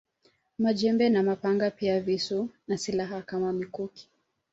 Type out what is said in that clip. Majembe na mapanga pia visu na silaha kama mikuki